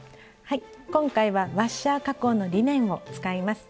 今回はワッシャー加工のリネンを使います。